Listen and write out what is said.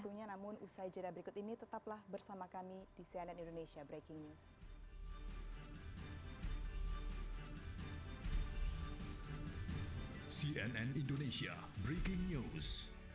di usai jadwal berikut ini tetaplah bersama kami di cnn indonesia breaking news